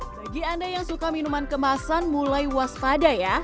bagi anda yang suka minuman kemasan mulai waspada ya